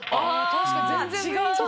確かに全然雰囲気違う。